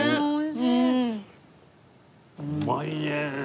うまいねえ！